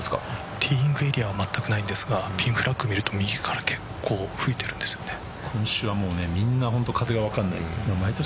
ティーイングエリアはまったくないんですがピンフラッグを見ると右から結構今週はみんな風が分からない。